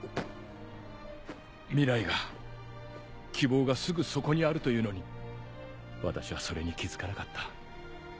未来が希望がすぐそこにあるというのに私はそれに気付かなかった。